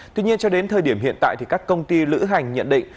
tuy nhiên cho đến thời điểm hiện tại thì các công ty lữ hành nhận định